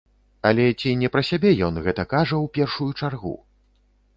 Але ці не пра сябе ён гэта кажа ў першую чаргу?